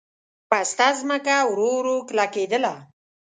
پسته ځمکه ورو ورو کلکېدله.